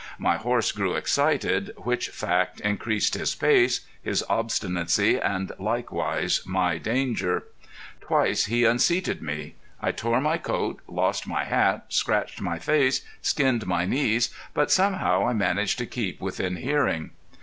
My horse grew excited, which fact increased his pace, his obstinacy, and likewise my danger. Twice he unseated me. I tore my coat, lost my hat, scratched my face, skinned my knees, but somehow I managed to keep within hearing.